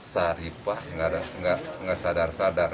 sarifah tidak sadar sadar